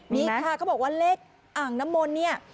นี่ค่ะเขาบอกว่าเลขอ่างน้ำมนต์เนี่ย